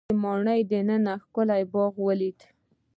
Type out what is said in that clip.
هغه د ماڼۍ دننه ښکلی باغ ولید.